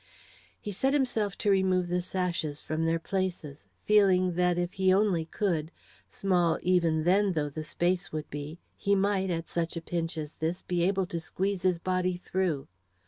He set himself to remove the sashes from their places, feeling that if he only could, small even then though the space would be, he might, at such a pinch as this, be able to squeeze his body through.